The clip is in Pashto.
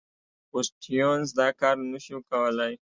خو سټیونز دا کار نه شو کولای.